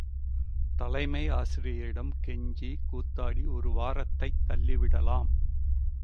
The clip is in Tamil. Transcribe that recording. தலைமை ஆசிரியரிடம் கெஞ்சி கூத்தாடி ஒரு வாரத்தை தள்ளிவிடலாம்.